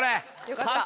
よかった。